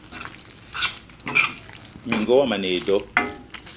Minenga womo a ne e do.